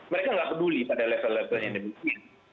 mereka tidak peduli pada level level yang dibuat